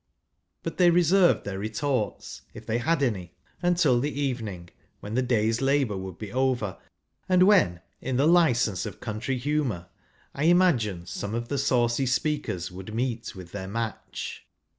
But they reserved their retorts, if they had any, until the evening, when the day's labour would be over, and when, in the licence of country humour, I imagine, some of the saucy speakers would meet with their match.